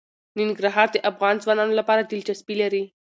ننګرهار د افغان ځوانانو لپاره دلچسپي لري.